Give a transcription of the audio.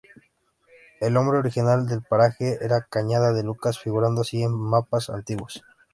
El nombre original del paraje era Cañada de Lucas, figurando así en mapas antiguos.